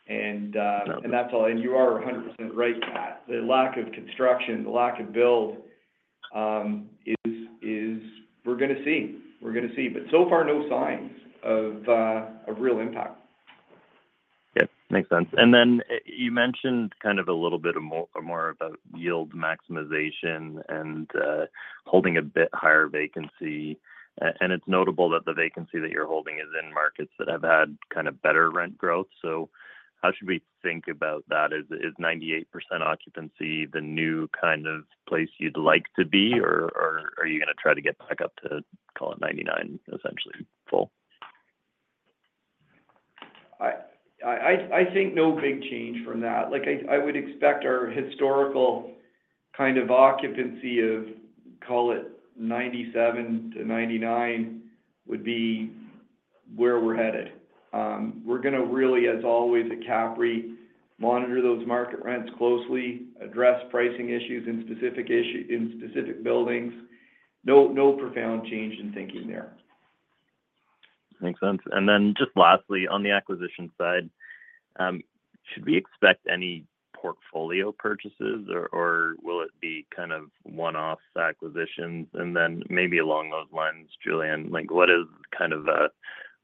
And that's all. And you are 100% right, Matt. The lack of construction, the lack of build is we're going to see. But so far, no signs of real impact. Yeah. Makes sense. And then you mentioned kind of a little bit more about yield maximization and holding a bit higher vacancy. And it's notable that the vacancy that you're holding is in markets that have had kind of better rent growth. So how should we think about that? Is 98% occupancy the new kind of place you'd like to be, or are you going to try to get back up to, call it 99%, essentially full? I think no big change from that. I would expect our historical kind of occupancy of, call it 97%-99%, would be where we're headed. We're going to really, as always at CAPREIT, monitor those market rents closely, address pricing issues in specific buildings. No profound change in thinking there. Makes sense. And then just lastly, on the acquisition side, should we expect any portfolio purchases, or will it be kind of one-off acquisitions? And then maybe along those lines, Julian, what is kind of a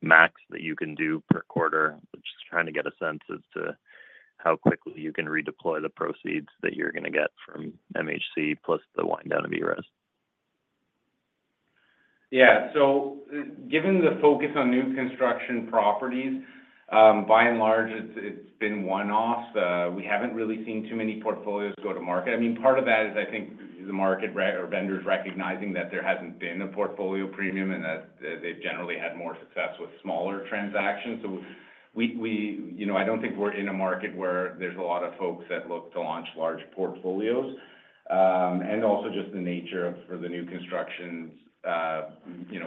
max that you can do per quarter? Just trying to get a sense as to how quickly you can redeploy the proceeds that you're going to get from MHC plus the wind down of ERES. Yeah. So given the focus on new construction properties, by and large, it's been one-off. We haven't really seen too many portfolios go to market. I mean, part of that is, I think, the market or vendors recognizing that there hasn't been a portfolio premium and that they've generally had more success with smaller transactions. So I don't think we're in a market where there's a lot of folks that look to launch large portfolios. And also just the nature of, for the new construction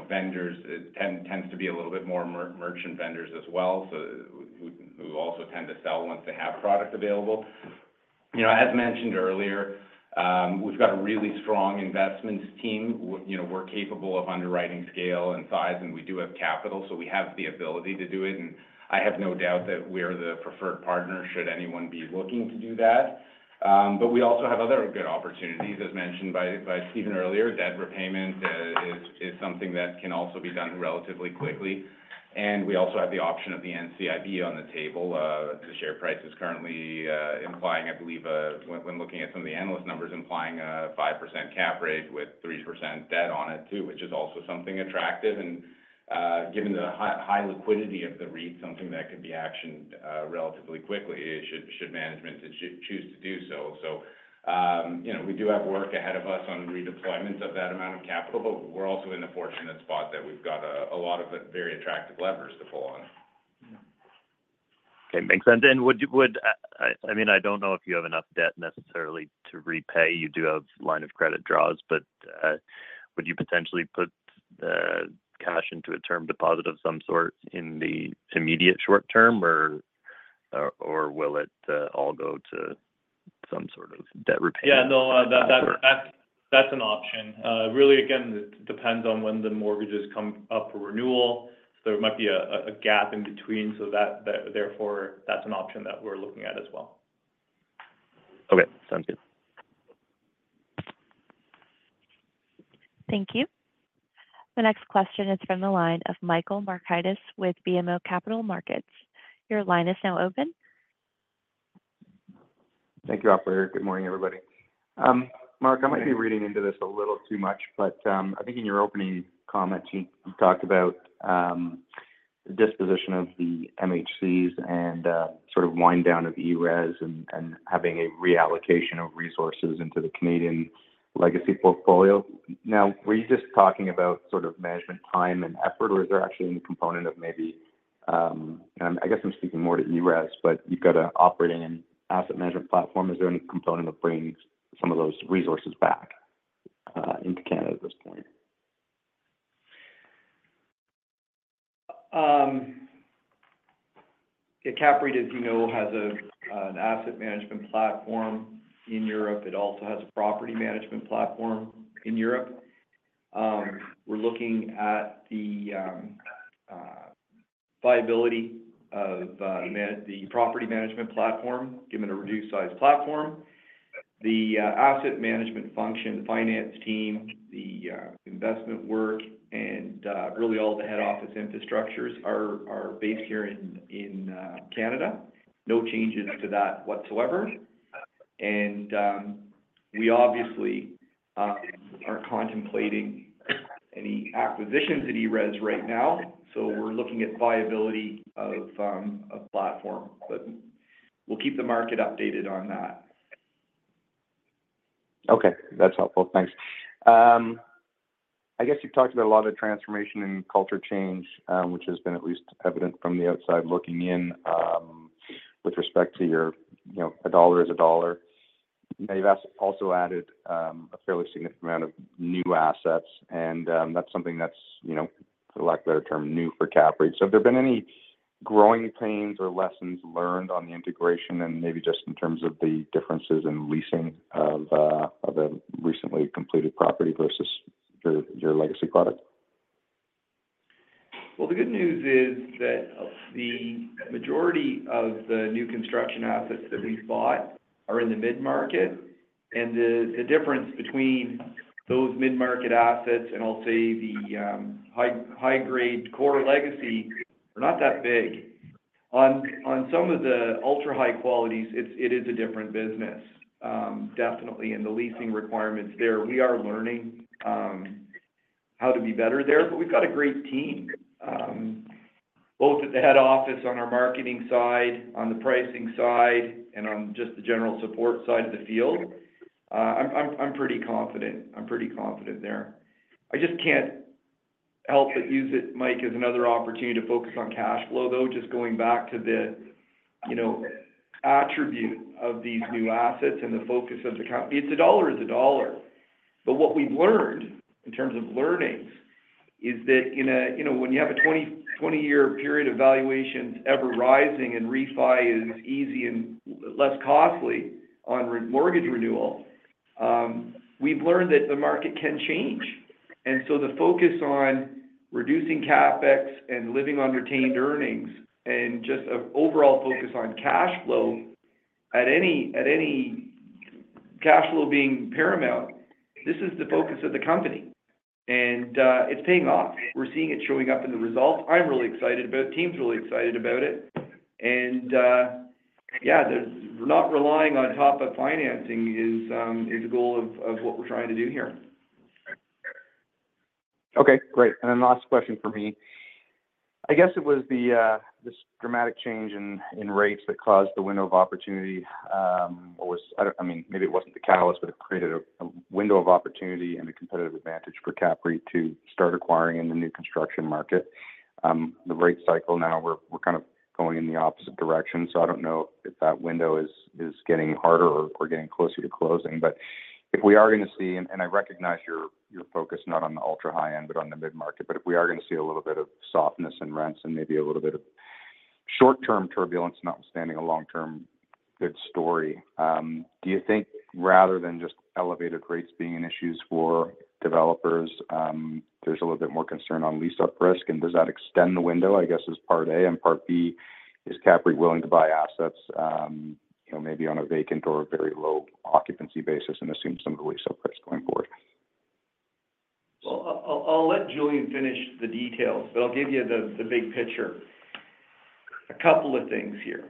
vendors, it tends to be a little bit more merchant vendors as well, who also tend to sell once they have product available. As mentioned earlier, we've got a really strong investment team. We're capable of underwriting scale and size, and we do have capital. So we have the ability to do it. I have no doubt that we're the preferred partner should anyone be looking to do that. But we also have other good opportunities, as mentioned by Stephen earlier. Debt repayment is something that can also be done relatively quickly. We also have the option of the NCIB on the table. The share price is currently implying, I believe, when looking at some of the analyst numbers, implying a 5% cap rate with 3% debt on it too, which is also something attractive. Given the high liquidity of the REIT, something that could be actioned relatively quickly, should management choose to do so. We do have work ahead of us on redeployment of that amount of capital, but we're also in the fortunate spot that we've got a lot of very attractive levers to pull on. Okay. Makes sense. And I mean, I don't know if you have enough debt necessarily to repay. You do have line of credit draws. But would you potentially put cash into a term deposit of some sort in the immediate short term, or will it all go to some sort of debt repayment? Yeah. No, that's an option. Really, again, it depends on when the mortgages come up for renewal. So there might be a gap in between. So therefore, that's an option that we're looking at as well. Okay. Sounds good. Thank you. The next question is from the line of Mike Markidis with BMO Capital Markets. Your line is now open. Thank you, Robert. Good morning, everybody. Mark, I might be reading into this a little too much, but I think in your opening comments, you talked about the disposition of the MHCs and sort of wind down of ERES and having a reallocation of resources into the Canadian legacy portfolio. Now, were you just talking about sort of management time and effort, or is there actually any component of maybe - and I guess I'm speaking more to ERES, but you've got an operating and asset management platform. Is there any component of bringing some of those resources back into Canada at this point? Yeah. CAPREIT, as you know, has an asset management platform in Europe. It also has a property management platform in Europe. We're looking at the viability of the property management platform, given a reduced-size platform. The asset management function, the finance team, the investment work, and really all the head office infrastructures are based here in Canada. No changes to that whatsoever, and we obviously aren't contemplating any acquisitions at ERES right now, so we're looking at viability of a platform, but we'll keep the market updated on that. Okay. That's helpful. Thanks. I guess you've talked about a lot of transformation and culture change, which has been at least evident from the outside looking in with respect to your a dollar is a dollar. Now, you've also added a fairly significant amount of new assets. And that's something that's, for lack of a better term, new for CAPREIT. So have there been any growing pains or lessons learned on the integration and maybe just in terms of the differences in leasing of a recently completed property versus your legacy product? The good news is that the majority of the new construction assets that we've bought are in the mid-market. The difference between those mid-market assets and, I'll say, the high-grade core legacy are not that big. On some of the ultra-high qualities, it is a different business, definitely. The leasing requirements there, we are learning how to be better there. We've got a great team, both at the head office on our marketing side, on the pricing side, and on just the general support side of the field. I'm pretty confident. I'm pretty confident there. I just can't help but use it, Mike, as another opportunity to focus on cash flow, though, just going back to the attribute of these new assets and the focus of the company. It's a dollar is a dollar. But what we've learned in terms of learnings is that when you have a 20-year period of valuations ever rising and refi is easy and less costly on mortgage renewal, we've learned that the market can change. And so the focus on reducing CapEx and living on retained earnings and just an overall focus on cash flow, at any cash flow being paramount, this is the focus of the company. And it's paying off. We're seeing it showing up in the results. I'm really excited about it. The team's really excited about it. And yeah, not relying on top-up financing is the goal of what we're trying to do here. Okay. Great. And then last question for me. I guess it was this dramatic change in rates that caused the window of opportunity. I mean, maybe it wasn't the catalyst, but it created a window of opportunity and a competitive advantage for CAPREIT to start acquiring in the new construction market. The rate cycle now, we're kind of going in the opposite direction. So I don't know if that window is getting harder or getting closer to closing. But if we are going to see, and I recognize your focus, not on the ultra-high end, but on the mid-market, but if we are going to see a little bit of softness in rents and maybe a little bit of short-term turbulence, notwithstanding a long-term good story, do you think rather than just elevated rates being an issue for developers, there's a little bit more concern on lease-up risk? Does that extend the window, I guess, as part A? And part B, is CAPREIT willing to buy assets maybe on a vacant or a very low occupancy basis and assume some of the lease-up risk going forward? Well, I'll let Julian finish the details, but I'll give you the big picture. A couple of things here.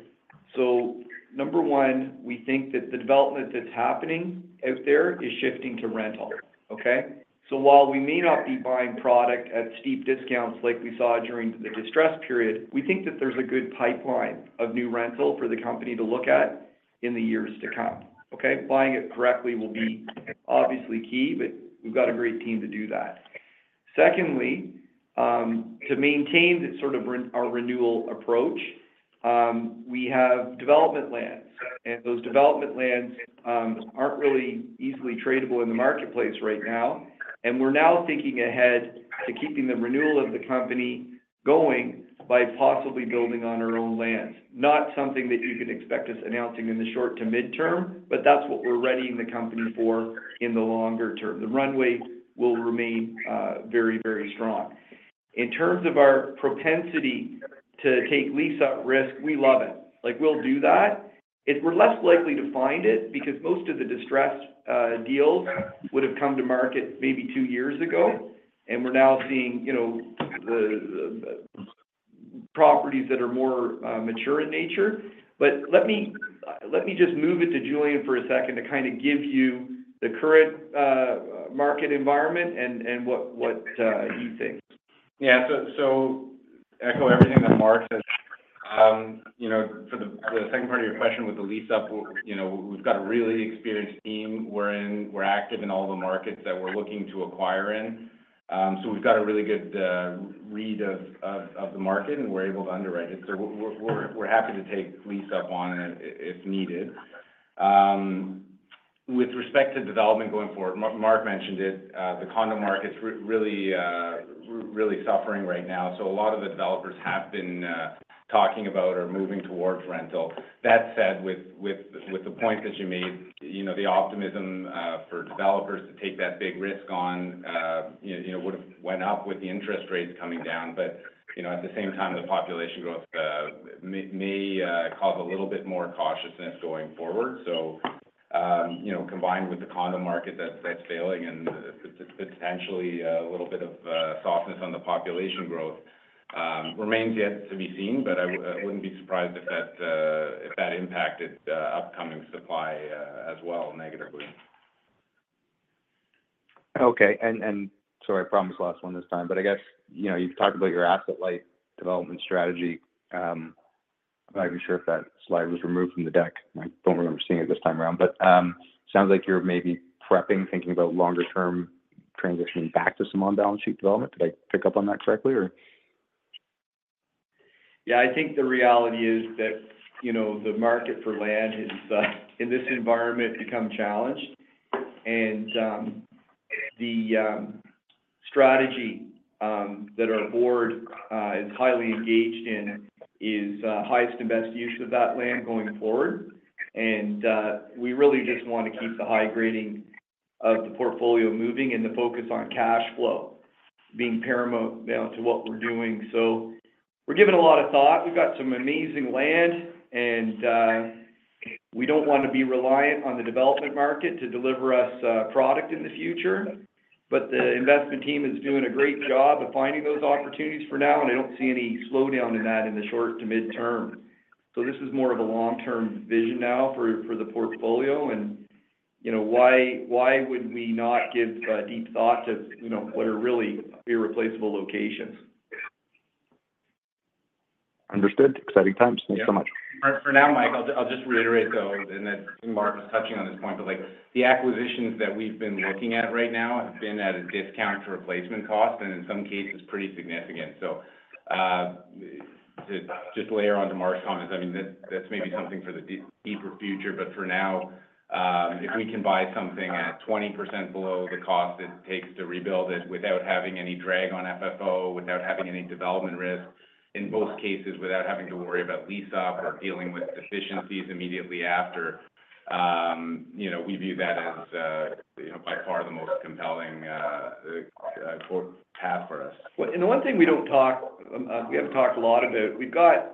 So number one, we think that the development that's happening out there is shifting to rental. Okay? So while we may not be buying product at steep discounts like we saw during the distress period, we think that there's a good pipeline of new rental for the company to look at in the years to come. Okay? Buying it correctly will be obviously key, but we've got a great team to do that. Secondly, to maintain sort of our renewal approach, we have development lands. And those development lands aren't really easily tradable in the marketplace right now. And we're now thinking ahead to keeping the renewal of the company going by possibly building on our own lands. Not something that you can expect us announcing in the short to mid-term, but that's what we're readying the company for in the longer term. The runway will remain very, very strong. In terms of our propensity to take lease-up risk, we love it. We'll do that. We're less likely to find it because most of the distressed deals would have come to market maybe two years ago, and we're now seeing properties that are more mature in nature, but let me just move it to Julian for a second to kind of give you the current market environment and what he thinks. Yeah, so echo everything that Mark said. For the second part of your question with the lease-up, we've got a really experienced team. We're active in all the markets that we're looking to acquire in. So we've got a really good read of the market, and we're able to underwrite it. So we're happy to take lease-up on it if needed. With respect to development going forward, Mark mentioned it. The condo market's really suffering right now. So a lot of the developers have been talking about or moving towards rental. That said, with the point that you made, the optimism for developers to take that big risk on would have went up with the interest rates coming down. But at the same time, the population growth may cause a little bit more cautiousness going forward. So combined with the condo market that's failing and potentially a little bit of softness on the population growth, remains yet to be seen. But I wouldn't be surprised if that impacted upcoming supply as well negatively. Okay. And sorry, I promised last one this time. But I guess you've talked about your asset-light development strategy. I'm not even sure if that slide was removed from the deck. I don't remember seeing it this time around. But it sounds like you're maybe prepping, thinking about longer-term transitioning back to some on-balance sheet development. Did I pick up on that correctly, or? Yeah. I think the reality is that the market for land has in this environment become challenged, and the strategy that our board is highly engaged in is highest and best use of that land going forward, and we really just want to keep the high-grading of the portfolio moving and the focus on cash flow being paramount to what we're doing, so we're giving a lot of thought. We've got some amazing land, and we don't want to be reliant on the development market to deliver us product in the future, but the investment team is doing a great job of finding those opportunities for now, and I don't see any slowdown in that in the short to mid-term, so this is more of a long-term vision now for the portfolio. And why would we not give deep thought to what are really irreplaceable locations? Understood. Exciting times. Thanks so much. For now, Mike, I'll just reiterate, though, and then Mark was touching on this point, but the acquisitions that we've been looking at right now have been at a discount to replacement cost and in some cases pretty significant, so to just layer onto Mark's comments, I mean, that's maybe something for the deeper future, but for now, if we can buy something at 20% below the cost it takes to rebuild it without having any drag on FFO, without having any development risk, in both cases without having to worry about lease-up or dealing with deficiencies immediately after, we view that as by far the most compelling path for us. And one thing we don't talk, we haven't talked a lot about, we've got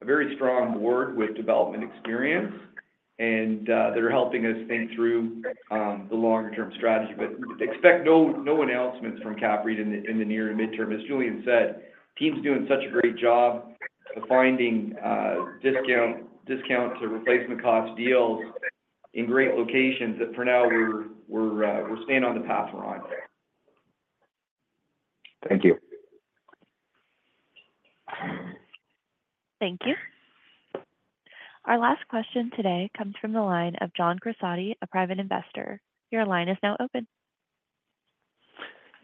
a very strong board with development experience, and they're helping us think through the longer-term strategy, but expect no announcements from CAPREIT in the near and mid-term. As Julian said, the team's doing such a great job of finding discount to replacement cost deals in great locations that for now, we're staying on the path we're on. Thank you. Thank you. Our last question today comes from the line of John Corsatti, a private investor. Your line is now open.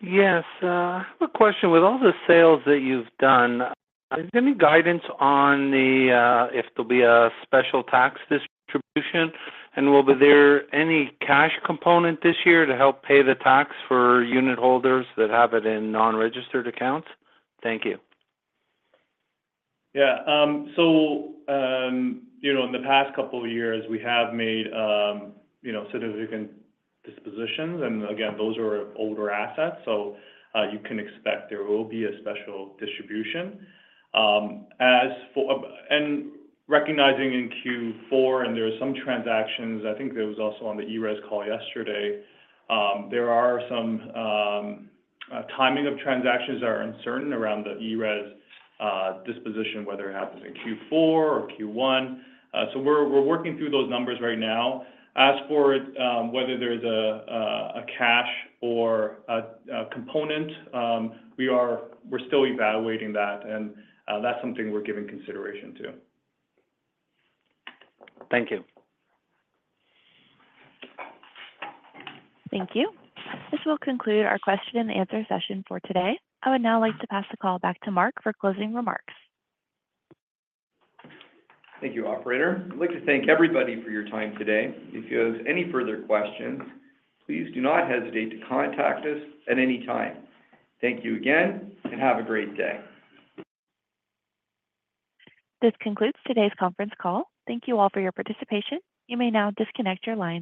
Yes. Quick question. With all the sales that you've done, is there any guidance on if there'll be a special tax distribution? And will there be any cash component this year to help pay the tax for unit holders that have it in non-registered accounts? Thank you. Yeah. So in the past couple of years, we have made significant dispositions. And again, those are older assets. So you can expect there will be a special distribution. And recognizing in Q4, and there are some transactions—I think there was also on the ERES call yesterday—there are some timing of transactions that are uncertain around the ERES disposition, whether it happens in Q4 or Q1. So we're working through those numbers right now. As for whether there's a cash or a component, we're still evaluating that. And that's something we're giving consideration to. Thank you. Thank you. This will conclude our question-and-answer session for today. I would now like to pass the call back to Mark for closing remarks. Thank you, operator. I'd like to thank everybody for your time today. If you have any further questions, please do not hesitate to contact us at any time. Thank you again, and have a great day. This concludes today's conference call. Thank you all for your participation. You may now disconnect your line.